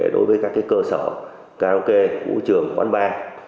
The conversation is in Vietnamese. đối với các cơ sở karaoke vũ trường quán bar